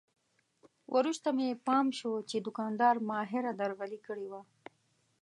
وروسته مې پام شو چې دوکاندار ماهره درغلي کړې وه.